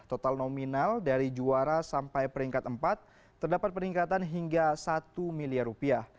total nominal dari juara sampai peringkat empat terdapat peningkatan hingga satu miliar rupiah